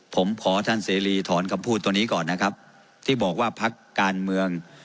ผมขอท่านเสรีถอนคำพูดตัวนี้ก่อนนะครับที่บอกว่าพักการเมือง